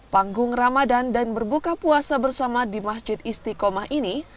panggung ramadan dan berbuka puasa bersama di masjid istiqomah ini